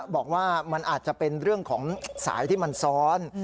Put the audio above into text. บอกว่ามันอาจจะเป็นเรื่องของสายที่มันซ้อน